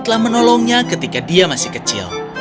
telah menolongnya ketika dia masih kecil